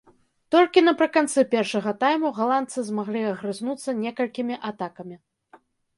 Толькі напрыканцы першага тайму галандцы змаглі агрызнуцца некалькімі атакамі.